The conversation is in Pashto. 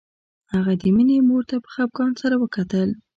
هغه د مينې مور ته په خپګان سره وکتل